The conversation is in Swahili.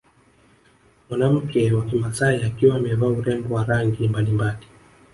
Mwanamke wa kimasai akiwa amevaa urembo wa rangi mbalimbali